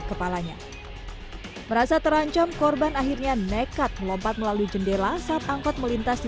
kepalanya merasa terancam korban akhirnya nekat melompat melalui jendela saat angkot melintas di